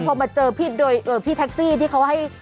พอมาเจอพี่โดยพี่แท็กซี่ที่เขาให้